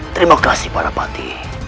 terima kasih balapati